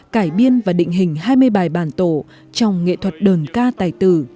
cải biên và định hình hai mươi bài bàn tổ trong nghệ thuật đờn ca tài tử